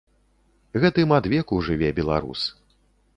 Гэтым адвеку жыве беларус.